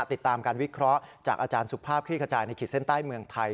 ติดตามการวิเคราะห์จากอาจารย์สุภาพคลี่ขจายในขีดเส้นใต้เมืองไทย